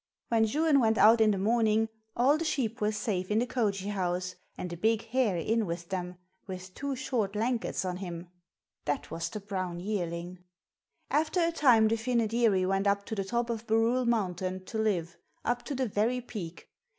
When Juan went out in the morning all the sheep were safe in the cogee house and a big hare in with them, with two short lankets on him, that was the brown yearling! After a time the Fynoderee went up to the top of Barrule Mountain to live, up to the very peak.